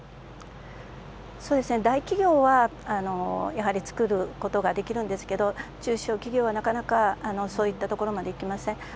そうですね、大企業はやはり作ることができるんですけれども、中小企業はなかなかそういったところまでいきません。